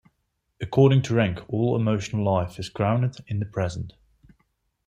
According to Rank, all emotional life is grounded in the present.